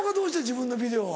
自分のビデオ。